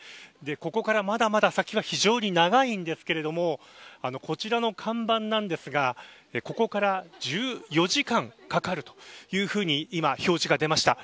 ここからまだまだ先は非常に長いんですがこちらの看板なんですがここから１４時間かかるというふうに今、表示が出ました。